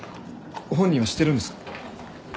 本人は知ってるんですか？